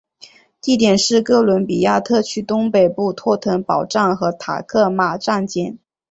地点是哥伦比亚特区东北部托腾堡站和塔科马站间。